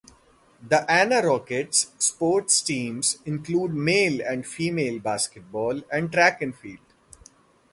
The Anna Rockets sports teams include male and female basketball and track and field.